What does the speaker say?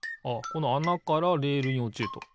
このあなからレールにおちると。